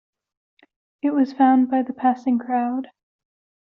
It was found by the passing crowd.